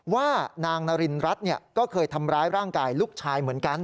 ว่านางนารินรัฐก็เคยทำร้ายร่างกายลูกชายเหมือนกัน